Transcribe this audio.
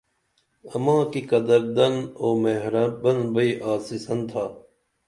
اماں کی قدر دان او مہربان بئی آڅِسن تھا